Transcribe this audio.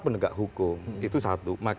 penegak hukum itu satu